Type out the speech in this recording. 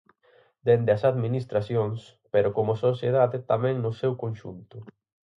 Dende as administracións, pero como sociedade tamén no seu conxunto.